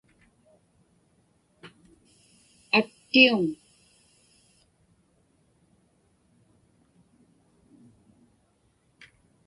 Attiuŋ.